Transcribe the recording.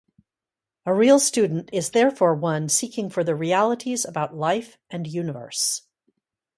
A real student is therefore one seeking for the realities about life and universe.